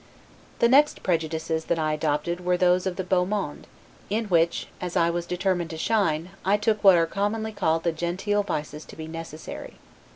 The next prejudices that I adopted were those of the 'beau monde', in which as I was determined to shine, I took what are commonly called the genteel vices to be necessary.